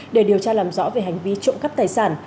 để điều tra làm rõ về hành vi trộm cắp tài sản